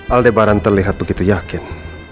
aldebaran terlihat begitu yakin